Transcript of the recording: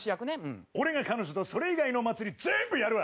俺が彼女とそれ以外のお祭り全部やるわ。